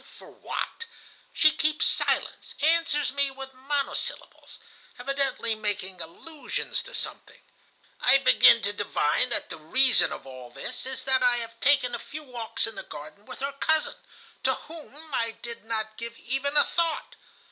Why? For what? She keeps silence, answers me with monosyllables, evidently making allusions to something. I begin to divine that the reason of all this is that I have taken a few walks in the garden with her cousin, to whom I did not give even a thought.